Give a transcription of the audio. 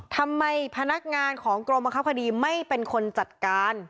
พนักงานของกรมบังคับคดีไม่เป็นคนจัดการ